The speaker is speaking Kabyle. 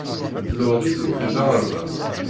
Laurie tukeḍ aɣerbaz.